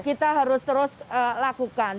kita harus terus lakukan